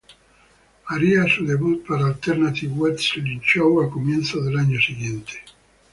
Él haría su debut para Alternative Wrestling Show a comienzos del año siguiente.